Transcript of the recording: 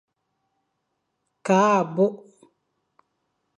Kakh abôkh.